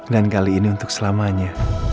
kali ini untuk selamanya